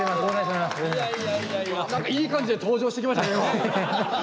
何かいい感じで登場してきましたけども。